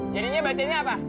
jadinya bacanya apa